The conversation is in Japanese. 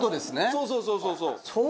そうそうそうそうそう。